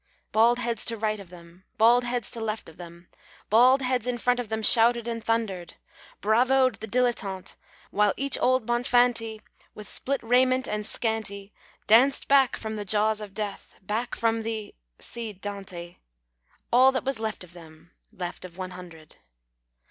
Bald heads to right of them, Bald heads to left of them, Bald heads in front of them Shouted and thundered ; Bravoed the dillettante, While each old Bonfanti, ■With split raiment and scanty. Danced back from the jaws of death, Back from the (see Dante), All that was left of them, Left of one hundred.